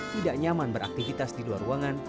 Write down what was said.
tidak nyaman beraktivitas di luar ruangan